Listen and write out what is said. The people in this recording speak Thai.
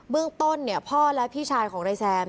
เรื่องต้นเนี่ยพ่อและพี่ชายของนายแซม